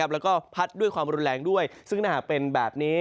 แล้วก็พัดด้วยความรุนแรงด้วยซึ่งถ้าหากเป็นแบบนี้